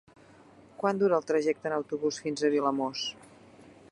Quant dura el trajecte en autobús fins a Vilamòs?